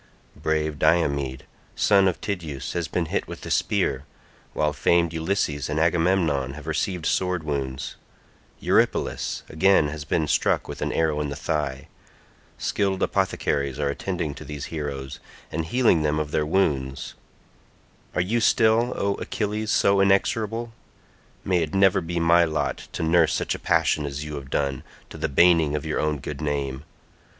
Brave Diomed son of Tydeus has been hit with a spear, while famed Ulysses and Agamemnon have received sword wounds; Eurypylus again has been struck with an arrow in the thigh; skilled apothecaries are attending to these heroes, and healing them of their wounds; are you still, O Achilles, so inexorable? May it never be my lot to nurse such a passion as you have done, to the baning of your own good name.